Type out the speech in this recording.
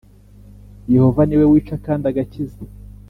Yehova niwe wica kandi agakiza